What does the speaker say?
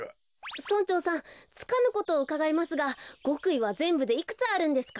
村長さんつかぬことをうかがいますがごくいはぜんぶでいくつあるんですか？